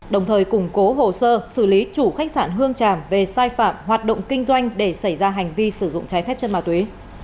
đồng thời củng cố hồ sơ xử lý chủ khách sạn hương tràm về sai phạm hoạt động kinh doanh để xảy ra hành vi sử dụng trái phép chất ma túy